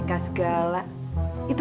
dan dia yang itu